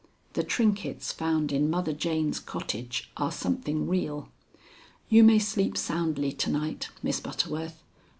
The trinkets found in Mother Jane's cottage are something real. You may sleep soundly to night, Miss Butterworth.